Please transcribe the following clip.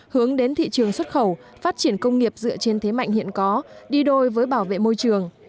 hướng đến thị trường xuất khẩu phát triển công nghiệp dựa trên thế mạnh hiện có đi đôi với bảo vệ môi trường